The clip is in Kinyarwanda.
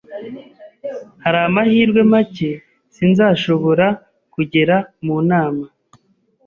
Hari amahirwe make sinzashobora kugera mu nama